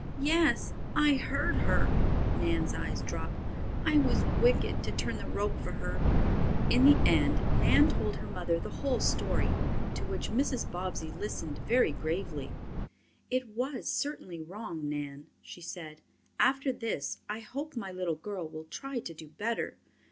"Yes, I heard her." Nan's eyes dropped. "I was wicked to turn the rope for her." In the end Nan told her mother the whole story, to which Mrs. Bobbsey listened very gravely. "It was certainly wrong, Nan," she said. "After this I hope my little girl will try to do better."